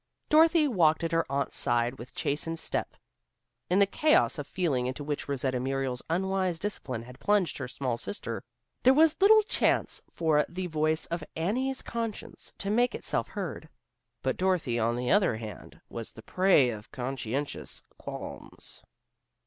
Dorothy walked at her aunt's side with chastened step. In the chaos of feeling into which Rosetta Muriel's unwise discipline had plunged her small sister, there was little chance for the voice of Annie's conscience to make itself heard. But Dorothy, on the other hand, was the prey of conscientious qualms.